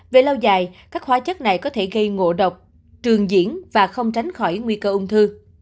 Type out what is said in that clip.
về lâu dài các hóa chất này có thể gây ngộ độc trường diễn và không tránh khỏi nguy cơ ung thư